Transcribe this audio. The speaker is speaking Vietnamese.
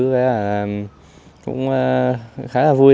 cũng khá là vui